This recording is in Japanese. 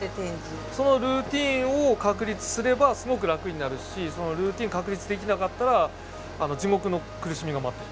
そのルーティーンを確立すればすごく楽になるしそのルーティーン確立できなかったら地獄の苦しみが待っている。